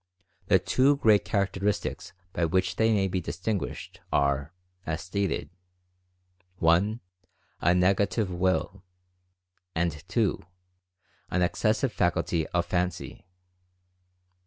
The two great characteristics by which they may be dis tinguished are, as stated, (i) A NEGATIVE WILL, and (2) an excessive faculty of Fancy.